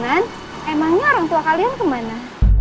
emangnya orang tua kalian kemana